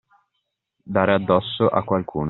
Dare addosso a qualcuno.